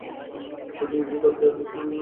যদি পারিস আটকানোর চেষ্টা কর।